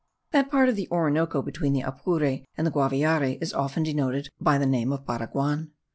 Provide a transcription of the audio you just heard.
That part of the Orinoco between the Apure and the Guaviare is often denoted by the name of Baraguan.